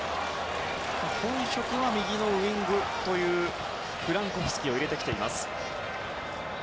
本職は右のウィングというフランコフスキを入れてきています。